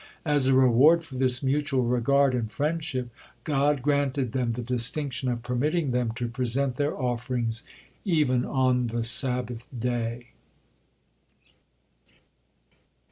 As a reward for this mutual regard and friendship, God granted them the distinction of permitting them to present their offerings even on the Sabbath day.